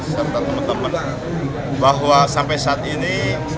serta teman teman bahwa sampai saat ini